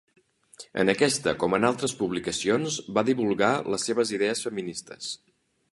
En aquesta com en altres publicacions va divulgar les seves idees feministes.